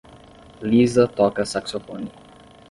Liza toca saxofone.